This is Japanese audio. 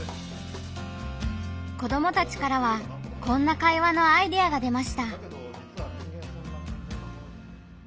子どもたちからはこんな会話のアイデアが出ました。